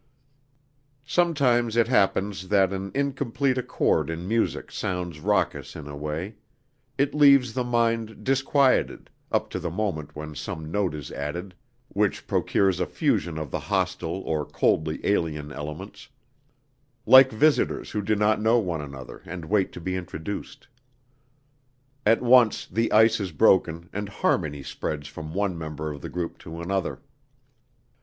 Sometimes it happens that an incomplete accord in music sounds raucous in a way; it leaves the mind disquieted, up to the moment when some note is added which procures a fusion of the hostile or coldly alien elements, like visitors who do not know one another and wait to be introduced. At once the ice is broken and harmony spreads from one member of the group to another.